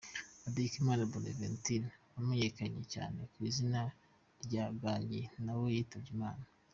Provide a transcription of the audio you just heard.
Hategekimana Bonaventure wamenyekanye cyane ku izina rya Gangi nawe yitabye Imana